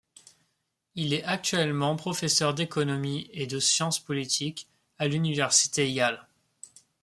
Il est actuellement professeur d'économie et de sciences politiques à l'université Yale.